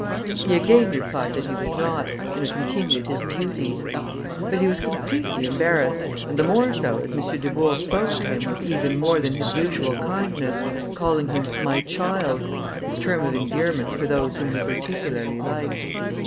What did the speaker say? He again replied that he was not, and continued his duties; but he was completely embarrassed, and the more so as M. Dubourg spoke to him with even more than his usual kindness, calling him my child, his term of endearment for those whom he particularly liked.